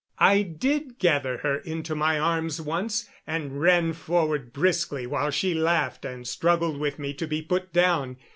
I did gather her into my arms once, and ran forward briskly, while she laughed and struggled with me to be put down.